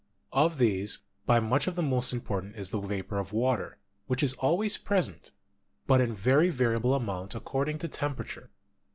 Of these, by much the most important is the vapor of water, which is always present, but in COMPOSITION OF THE EARTH 85 very variable amount according to temperature.